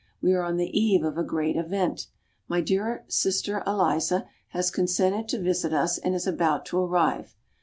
We are on the eve of a great event. My dear sister Eliza has consented to visit us and is about to arrive.